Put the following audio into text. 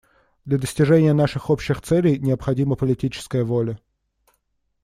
Для достижения наших общих целей необходима политическая воля.